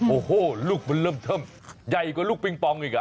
โอ้โหลูกมันเริ่มเทิมใหญ่กว่าลูกปิงปองอีกอ่ะ